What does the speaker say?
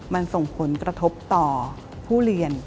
มันส่งผลกระทบต่อผู้เรียน